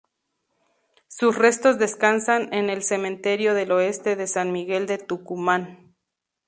Sus restos descansan en el Cementerio del Oeste de San Miguel de Tucumán.